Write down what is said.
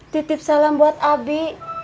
titip salam buat abi